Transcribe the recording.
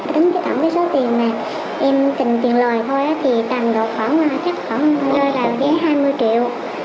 tính với tổng cái số tiền mà em trình tiền lời thôi thì tầm gọi là chắc khoảng hai mươi triệu